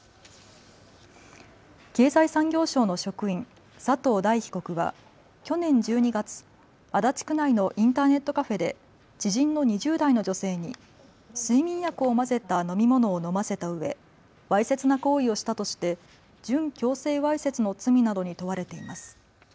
経済産業省の職員、佐藤大被告は去年１２月、足立区内のインターネットカフェで知人の２０代の女性に睡眠薬を混ぜた飲み物を飲ませたうえわいせつな行為をしたとして準強制わいせつの罪などに問われています。